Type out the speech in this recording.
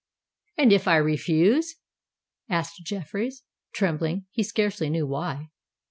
"And if I refuse?" asked Jeffreys, trembling he scarcely knew why.